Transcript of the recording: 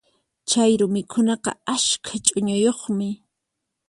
Chayru mikhunaqa askha ch'uñuyuqmi.